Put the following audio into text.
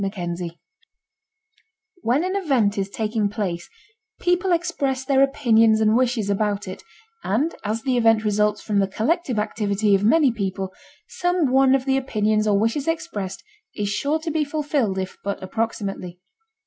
CHAPTER VII When an event is taking place people express their opinions and wishes about it, and as the event results from the collective activity of many people, some one of the opinions or wishes expressed is sure to be fulfilled if but approximately.